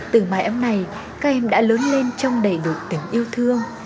từ mai em này các em đã lớn lên trong đầy đủ tiếng yêu thương